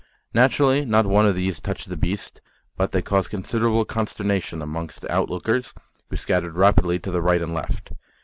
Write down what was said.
Naturally not one of these touched the beast, but they caused considerable consternation amongst the onlookers, who scattered rapidly to right and left.